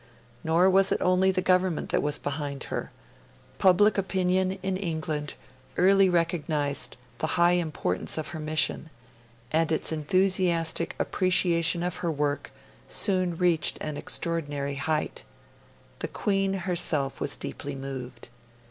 Nor was it only the Government that was behind her: public opinion in England early recognised the high importance of her mission, and its enthusiastic appreciation of her work soon reached an extraordinary height. The Queen herself was deeply moved.